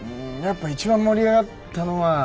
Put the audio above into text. やっぱ一番盛り上がったのは。